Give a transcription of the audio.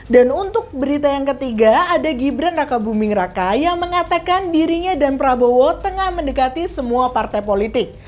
dan untuk berita yang ketiga ada gibran raka buming raka yang mengatakan dirinya dan prabowo tengah mendekati semua partai politik